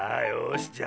よし。